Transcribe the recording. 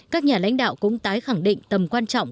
các nhà lãnh đạo cũng tái khẳng định tầm quan trọng